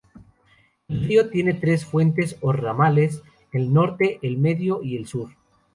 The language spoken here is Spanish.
El río tiene tres fuentes o ramales, el Norte, el Medio y el Sur.